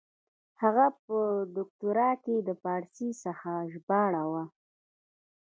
هغه په دوکتورا کښي د پاړسي څخه ژباړه وه.